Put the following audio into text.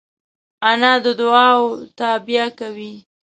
انا د دعاوو تابیا کوي